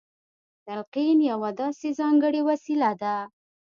تلقين يوه داسې ځانګړې وسيله ده.